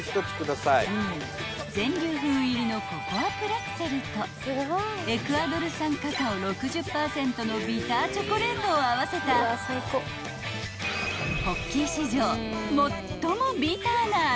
［全粒粉入りのココアプレッツェルとエクアドル産カカオ６０％のビターチョコレートを合わせたポッキー史上最もビターな味わい］